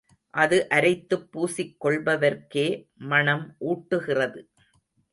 அது அரைத்துப் பூசிக் கொள்பவர்க்கே மணம் ஊட்டுகிறது.